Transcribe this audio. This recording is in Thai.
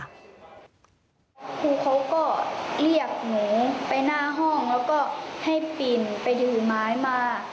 ครูเขาก็เรียกหนูไปหน้าห้องแล้วก็ให้ปิ่นไปยืนไม้มา